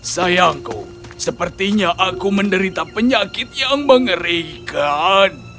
sayangku sepertinya aku menderita penyakit yang mengerikan